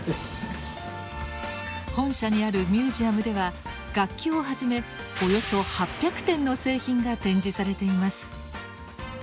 本社にあるミュージアムでは楽器をはじめおよそ８００点の製品が展示されています。